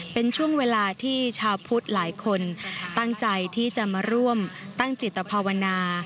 เป็นช่วงเวลาที่ชาวพุทธหลายคนตั้งใจที่จะมาร่วมตั้งจิตภาวนา